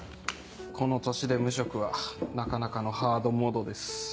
この年で無職はなかなかのハードモードです。